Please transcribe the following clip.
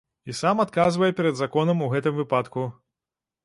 І сам адказвае перад законам у гэтым выпадку.